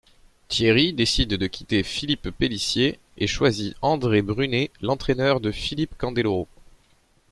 Thierry décide de quitter Philippe Pélissier et choisit André Brunet, l'entraîneur de Philippe Candeloro.